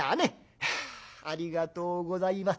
「ありがとうございます。